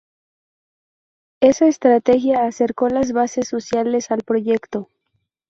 Esa estrategia acercó las bases sociales al Proyecto.